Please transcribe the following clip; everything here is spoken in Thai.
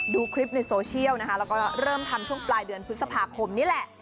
ดูคลิปในโซเชียลนะคะแล้วก็เริ่มทำช่วงปลายเดือนพฤษภาคมนี่แหละ